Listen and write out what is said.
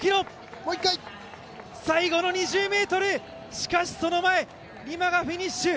最後の２０ｍ、しかしその前、今がフィニッシュ。